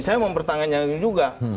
saya mau pertanggahin juga